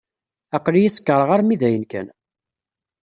Aql-iyi sekṛeɣ armi d ayen kan.